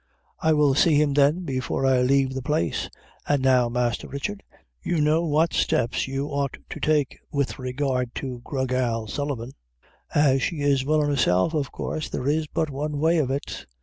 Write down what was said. "I will see him, then, before I lave the place; an' now, Masther Richard, you know what steps you ought to take with regard to Gra Gal Sullivan. As she is willin' herself, of course there is but one way of it."